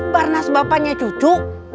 barnes bapaknya cucu